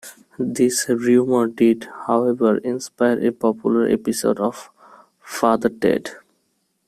This rumour did, however inspire a popular episode of "Father Ted".